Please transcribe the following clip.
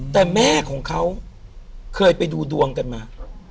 แต่แม่ของเขาเคยไปดูดวงกันมา